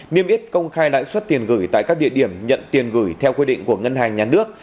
niêm yết công khai lãi suất tiền gửi tại các địa điểm nhận tiền gửi theo quy định của ngân hàng nhà nước